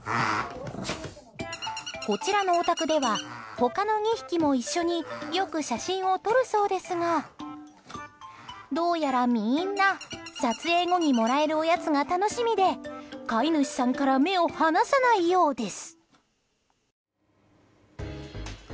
こちらのお宅では他の２匹も一緒によく写真を撮るそうですがどうやらみんな、撮影後にもらえるおやつが楽しみで飼い主さんから目を離さないようです。